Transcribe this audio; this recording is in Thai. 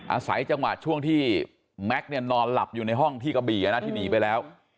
อาศัยจังหวะช่วงที่แม็กซ์เนี่ยนอนหลับอยู่ในห้องที่กระบี่ที่หนีไปแล้ว